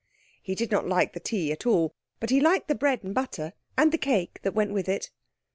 He did not like the tea at all, but he liked the bread and butter, and cake that went with it.